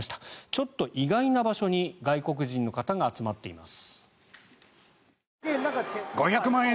ちょっと意外な場所に外国人の方が集まっています。